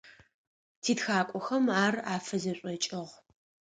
Титхакӏохэм ар афызэшӏокӏыгъ.